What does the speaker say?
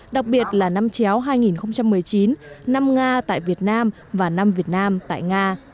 đặc biệt là năm chéo hai nghìn một mươi chín năm nga tại việt nam và năm việt nam tại nga